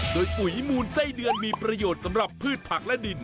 โดยปุ๋ยมูลไส้เดือนมีประโยชน์สำหรับพืชผักและดิน